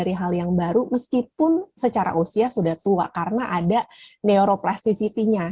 dari hal yang baru meskipun secara usia sudah tua karena ada neuroplasticity nya